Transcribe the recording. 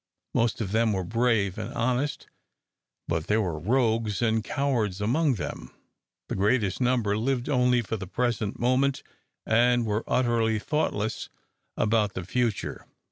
Most of them were brave and honest; but there were rogues and cowards among them. The greater number lived only for the present moment, and were utterly thoughtless about the future.